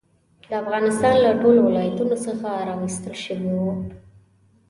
د افغانستان له ټولو ولایتونو څخه راوستل شوي وو.